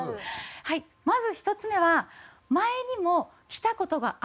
はいまず１つ目は前にも来た事があるよ